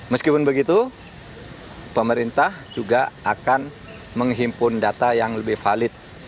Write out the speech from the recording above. meskipun begitu pemerintah juga akan menghimpun data yang lebih valid